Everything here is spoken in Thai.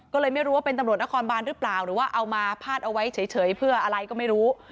ก็เลยไม่รู้ว่าเป็นตำรวจนครบานหรือเปล่าหรือว่าเอามาพาดเอาไว้เฉยเพื่ออะไรก็ไม่รู้